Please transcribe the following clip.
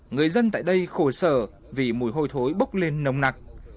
người dân tại đây khổ sở vì mùi hôi thối bốc lên nồng nặc